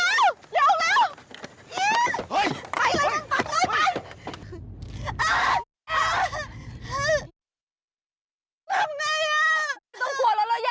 ไม่ต้องกลัวแล้วเราใหญ่กว่าว่าเดี๋ยวจะขับชนหมดเลย